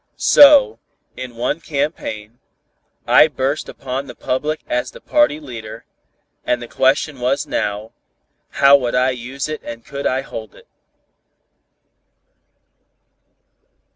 So, in one campaign, I burst upon the public as the party leader, and the question was now, how would I use it and could I hold it.